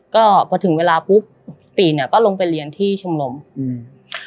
ก็พอถึงเวลาปุ๊บปีเนี้ยก็ลงไปเรียนที่ชมรมอืม